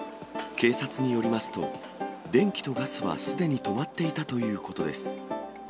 警察によりますと、電気とガスはすでに止まっていたということです。